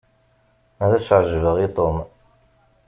Ad as-ɛejbeɣ i Tom.